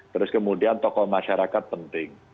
terus kemudian tokoh masyarakat penting